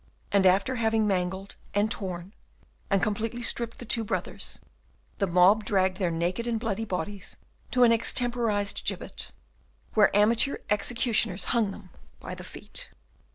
And after having mangled, and torn, and completely stripped the two brothers, the mob dragged their naked and bloody bodies to an extemporised gibbet, where amateur executioners hung them up by the feet.